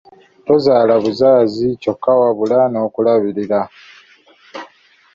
Tozaalabuzaazi kyokka wabula n'okulabirira.